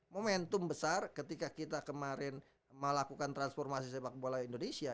momentum besar ketika kita kemarin melakukan transformasi sepak bola indonesia